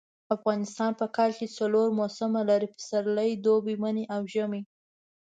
افغانستان په کال کي څلور موسمه لري . پسرلی دوبی منی او ژمی